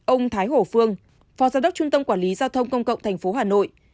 ông thái hồ phương phó giám đốc trung tâm quản lý giao thông công cộng tp hà nội